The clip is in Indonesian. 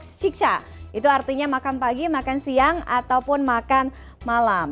siksa itu artinya makan pagi makan siang ataupun makan malam